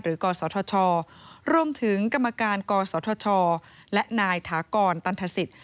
หรือกรสชรวมถึงกรรมการกรสชและนายฐากรตันทศิษย์